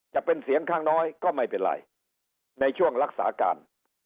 จะเป็นเสียงข้างน้อยก็ไม่เป็นไรในช่วงรักษาการ